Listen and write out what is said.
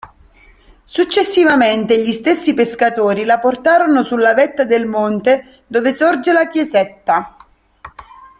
Successivamente gli stessi pescatori La portarono sulla vetta del monte dove sorge la chiesetta.